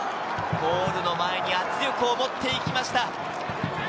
ゴールの前に圧力を持っていきました。